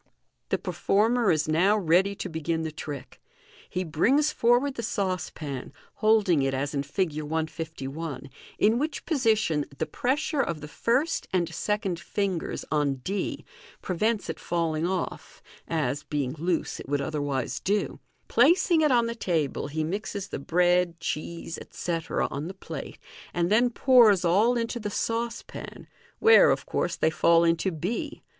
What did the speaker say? The performer is now ready to begin the trick. He brings for ward the saucepan, holding it as in Fig. 1^1, in which position the pressure of the first and second fingers on d prevents it fall ing off, as, being loose, it would otherwise do Placing it on the table, he mixes the bread, cheese, etc., on the plate, and then pours all into the saucepan, where, of course, they fall into b.